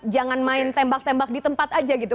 jangan main tembak tembak di tempat aja gitu